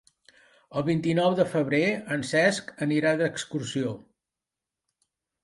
El vint-i-nou de febrer en Cesc anirà d'excursió.